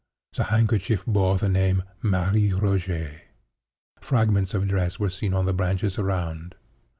The handkerchief bore the name, 'Marie Rogêt.' Fragments of dress were seen on the branches around.